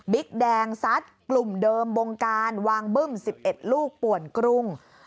แดงซัดกลุ่มเดิมบงการวางบึ้ม๑๑ลูกป่วนกรุง